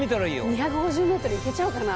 ２５０ｍ行けちゃうかな？